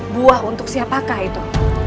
buah untuk siapakah itu